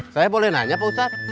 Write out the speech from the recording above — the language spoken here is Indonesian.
saya boleh nanya pak ustadz